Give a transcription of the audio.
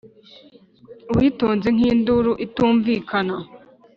witonze nk'induru itumvikana,